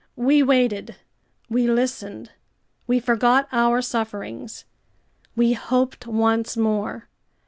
We waited, we listened, we forgot our sufferings, we hoped once more.